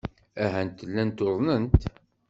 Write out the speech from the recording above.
Ahat llant uḍnent.